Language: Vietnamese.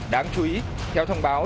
đáng chú ý theo thông báo